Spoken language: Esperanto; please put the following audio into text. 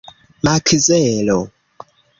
Makzelo